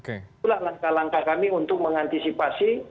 itulah langkah langkah kami untuk mengantisipasi